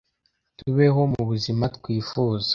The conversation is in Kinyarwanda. tubeho mubuzima twifuza.